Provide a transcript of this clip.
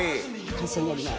完成になります。